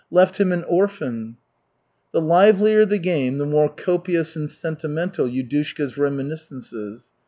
Left him an orphan." The livelier the game the more copious and sentimental Yudushka's reminiscences.